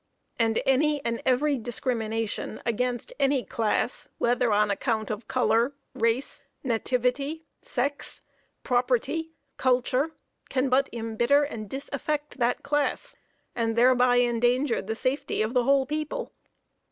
And any and every discrimination against any class, whether on account of color, race, nativity, sex, property, culture, can but imbitter and disaffect that class, and thereby endanger the safety of the whole people.